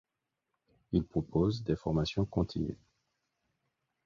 Il propose des formations continues.